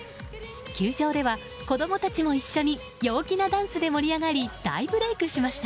球場では子供たちも一緒に陽気なダンスで盛り上がり大ブレークしました。